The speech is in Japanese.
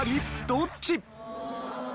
どっち？